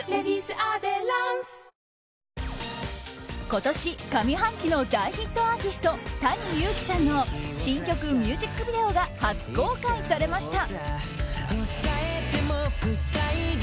今年上半期の大ヒットアーティストＴａｎｉＹｕｕｋｉさんの新曲ミュージックビデオが初公開されました。